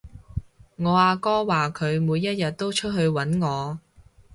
我阿哥話佢每一日都出去搵我